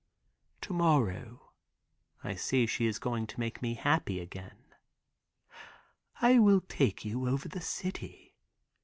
"To morrow," I see she is going to make me happy again, "I will take you over the city.